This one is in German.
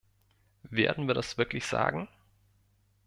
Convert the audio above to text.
Werden wir das wirklich sagen?